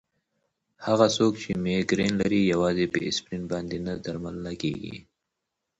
هغه څوک چې مېګرین لري، یوازې په اسپرین باندې نه درملنه کېږي.